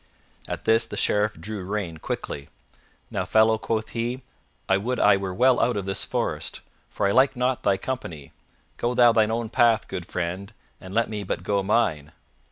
At this the Sheriff drew rein quickly. "Now fellow," quoth he, "I would I were well out of this forest, for I like not thy company. Go thou thine own path, good friend, and let me but go mine."